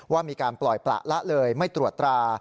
ว่ามีการปล่อยประละเลยไม่ตรวจตรา